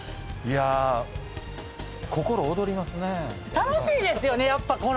楽しいですよねやっぱこの。